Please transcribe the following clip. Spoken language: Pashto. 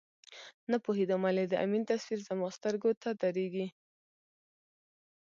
نه پوهېدم ولې د امین تصویر زما سترګو ته درېږي.